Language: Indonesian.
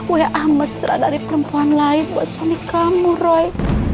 wa mesra dari perempuan lain buat suami kamu roy